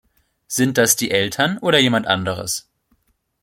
Sind das die Eltern oder jemand anderes?